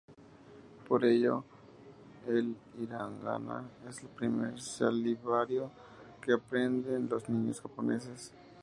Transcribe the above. Por ello, el hiragana es el primer silabario que aprenden los niños japoneses.